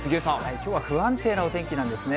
きょうは不安定なお天気なんですね。